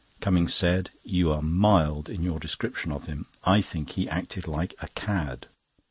Cummings said: "You are mild in your description of him; I think he has acted like a cad."